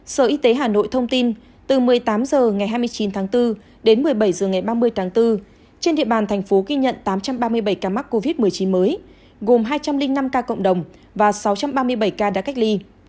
sở y tế hà nội thông tin từ một mươi tám h ngày hai mươi chín tháng bốn đến một mươi bảy h ngày ba mươi tháng bốn trên địa bàn thành phố ghi nhận tám trăm ba mươi bảy ca mắc covid một mươi chín mới gồm hai trăm linh năm ca cộng đồng và sáu trăm ba mươi bảy ca đã cách ly